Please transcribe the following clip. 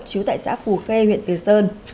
chứa tại xã phù khê huyện từ sơn